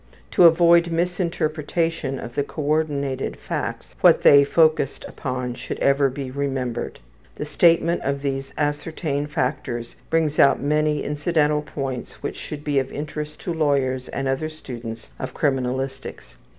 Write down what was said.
To avoid misinterpretation of the coordinated facts, what they are focused upon should ever be remembered. The statement of these ascertained factors brings out many incidental points which should be of interest to lawyers and other students of criminalistics.